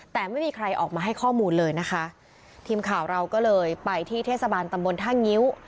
แต่ไม่มีใครออกมาให้ข้อมูลเลยนะคะทีมข่าวเราก็เลยไปที่เทศบาลตำบลท่างิ้ว